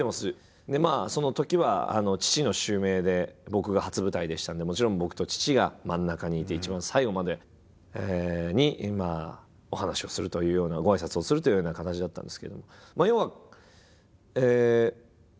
そのときは父の襲名で僕が初舞台でしたのでもちろん僕と父が真ん中にいて一番最後にお話をするというようなごあいさつをするというような形だったんですけれども。